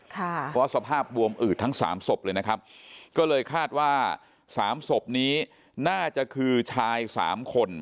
เพราะสภาพบวมอืดทั้งสามศพเลยนะครับก็เลยคาดว่าสามศพนี้น่าจะคือชายสามคน